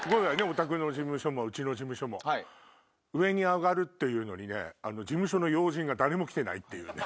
お宅の事務所も、うちの事務所も、上に上がるっていうのにね、事務所の要人が誰も来てないっていう。